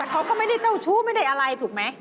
เขาก็ไม่ได้เจ้าชู้ไม่ได้อะไรถูกไหม